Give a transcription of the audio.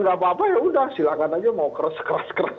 nggak apa apa yaudah silahkan aja mau keras keras